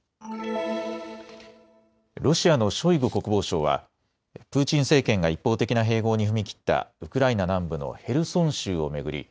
ロシアのショイグ国防相はプーチン政権が一方的な併合に踏み切ったウクライナ南部のヘルソン州を巡り